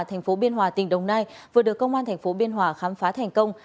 thành phố biên hòa tỉnh đồng nai vừa được công an thành phố biên hòa khám phá thành công